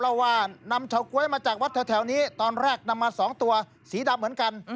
เล่าว่านำเฉาก๊วยมาจากวัดแถวนี้ตอนแรกนำมา๒ตัวสีดำเหมือนกัน